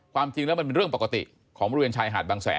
ความจริงแล้วมันเป็นเรื่องปกติของบริเวณชายหาดบางแสน